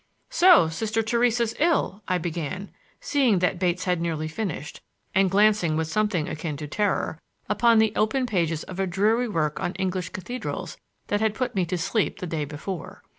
"So Sister Theresa's ill!" I began, seeing that Bates had nearly finished, and glancing with something akin to terror upon the open pages of a dreary work on English cathedrals that had put me to sleep the day before.